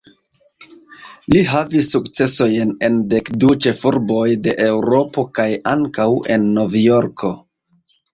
Li havis sukcesojn en dekdu ĉefurboj de Eŭropo kaj ankaŭ en Novjorko.